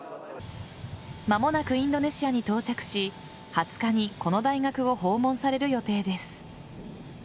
間もなく、インドネシアに到着し２０日にこの大学を訪問される予定です。